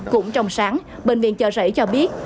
cũng trong sáng bệnh viện chợ rẫy cho biết